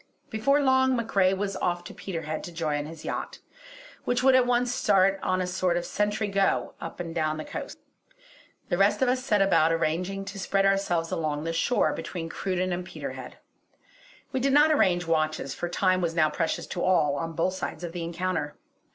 Before long, MacRae was off to Peterhead to join his yacht, which would at once start on a sort of sentry go up and down the coast. The rest of us set about arranging to spread ourselves along the shore between Cruden and Peterhead. We did not arrange watches, for time was now precious to all, on both sides of the encounter.